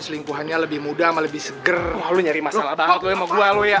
selingkuhannya lebih mudah lebih seger lu nyari masalah banget gue mau gue lu ya